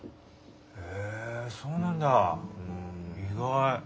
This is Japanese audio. へえそうなんだ意外。